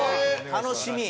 楽しみ。